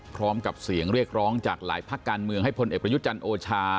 พร้อมกับเสียงเรียกร้องจากหลายภาคการเมืองให้พลเอกประยุทธ์จันทร์โอชา